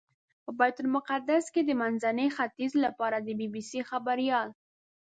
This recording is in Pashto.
په بیت المقدس کې د منځني ختیځ لپاره د بي بي سي خبریال.